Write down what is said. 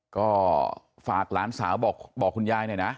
ก็ฝากหลานสาวบอกคุณยายหน่อยนะ